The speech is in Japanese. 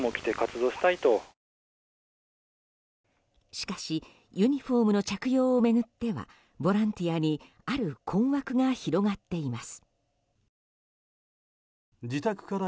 しかしユニホームの着用を巡ってはボランティアにある困惑が広がっています。